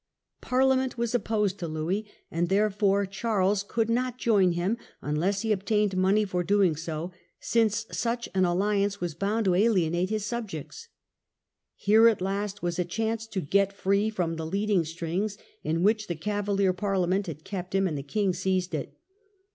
Parliament was opposed to Louis, and therefore Charles could not join him unless he obtained money for doing so, since such an alliance was bound to alienate his subjects. Here at last was a chance to get free from the leading strings in which the "Cavalier Parliament" had kept him, and the king seized it.